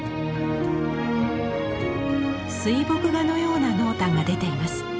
水墨画のような濃淡が出ています。